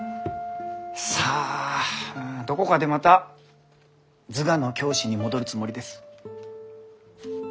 さあどこかでまた図画の教師に戻るつもりです。